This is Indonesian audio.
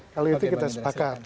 kalau itu kita sepakat